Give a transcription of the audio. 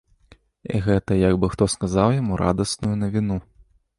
І гэта як бы хто сказаў яму радасную навіну.